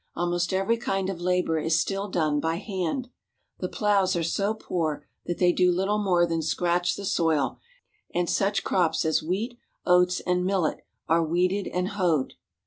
Almost every kind of labor is still done by hand. The plows are so poor that they do little more than scratch the soil, and such crops as wheat, oats, and millet are weeded and hoed.